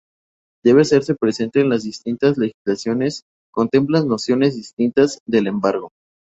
Debe hacerse presente que las distintas legislaciones contemplan nociones distintas del embargo.